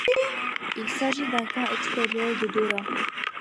Il s'agit d'un camp extérieur de Dora.